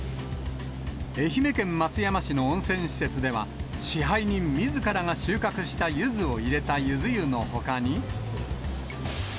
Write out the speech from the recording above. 愛媛県松山市の温泉施設では、支配人みずからが収穫したゆずを入れたゆず湯のほかに。